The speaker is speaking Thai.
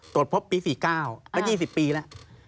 ตรวจพบปี๔๙ตั้ง๒๐ปีล่ะ